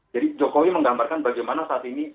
jadi jokowi menggambarkan bagaimana saat ini